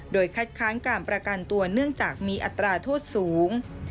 โดยคัดค้านการประกันตัวเนื่องจากมีอัตราโทษสูง